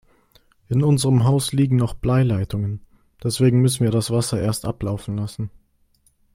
In unserem Haus liegen noch Bleileitungen, deswegen müssen wir das Wasser erst ablaufen lassen.